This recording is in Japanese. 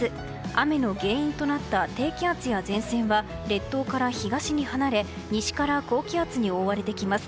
雨の原因となった低気圧や前線は列島から東に離れ西から高気圧に覆われてきます。